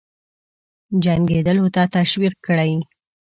جنګېدلو ته تشویق کړي.